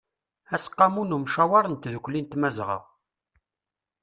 aseqqamu n ymcawer n tdukli n tmazɣa